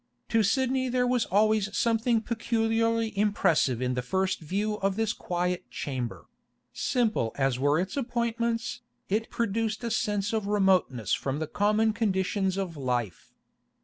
To Sidney there was always something peculiarly impressive in the first view of this quiet chamber; simple as were its appointments, it produced a sense of remoteness from the common conditions of life.